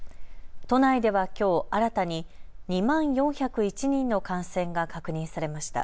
都内ではきょう新たに２万４０１人の感染が確認されました。